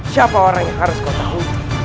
siapa orang yang harus kau tahu